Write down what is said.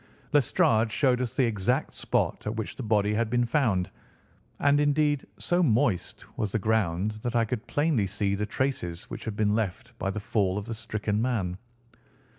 Lestrade showed us the exact spot at which the body had been found, and, indeed, so moist was the ground, that I could plainly see the traces which had been left by the fall of the stricken man.